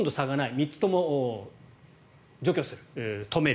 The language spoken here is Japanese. ３つとも除去する、止める。